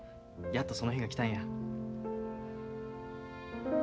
やっとその日が来たんや。